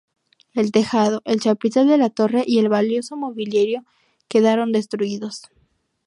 El tejado, el chapitel de la torre y el valioso mobiliario quedaron destruidos.